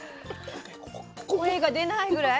声が出ないぐらい？